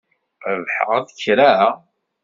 Rebḥeɣ-d kra?